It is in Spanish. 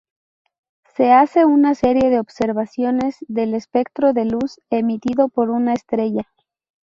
Se hace una serie de observaciones del espectro de luz emitido por una estrella.